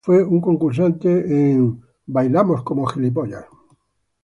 Purdy fue una concursante en la de "Dancing with the Stars".